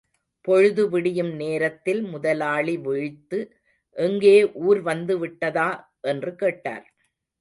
பொழுது விடியும் நேரத்தில் முதலாளி விழித்து, எங்கே ஊர் வந்துவிட்டதா? என்று கேட்டார்.